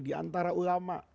di antara ulama